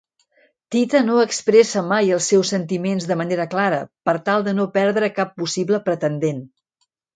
Tita no expressa mai els seus sentiments de manera clara per tal de no perdre cap possible pretendent.